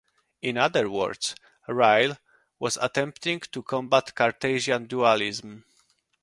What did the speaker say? In other words Ryle was attempting to combat Cartesian dualism.